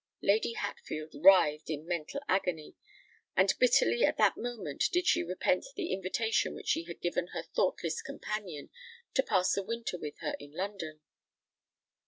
Lady Hatfield writhed in mental agony; and bitterly at that moment did she repent the invitation which she had given her thoughtless companion to pass the winter with her in London.